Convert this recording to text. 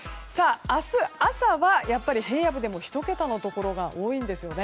明日朝は平野部でも１桁のところが多いんです。